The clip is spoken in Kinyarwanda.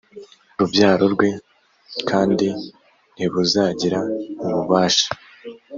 rubyaro rwe l kandi ntibuzagira ububasha